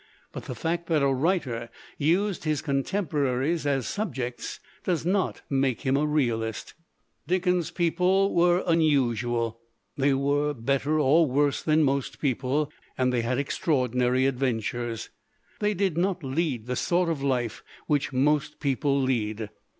But the fact that a writer used his contemporaries as subjects does not make him a realist. Dickens's people were unusual; they were better or worse than most people, and they had extraordinary adventures; they did not lead the sort of life * LITERATURE IN THE MAKING which most people lead.